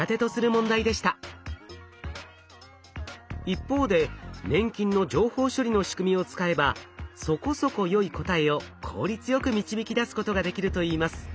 一方で粘菌の情報処理の仕組みを使えば「そこそこ良い答え」を効率よく導き出すことができるといいます。